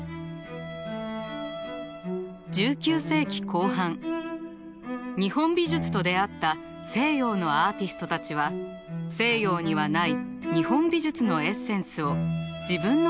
１９世紀後半日本美術と出会った西洋のアーティストたちは西洋にはない日本美術のエッセンスを自分の芸術に取り入れました。